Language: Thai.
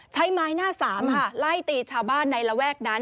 ใช้ไม้หน้าสามค่ะไล่ตีชาวบ้านในระแวกนั้น